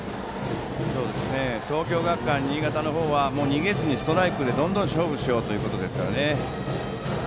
東京学館新潟の方は逃げずにストライクでどんどん勝負しようということですね。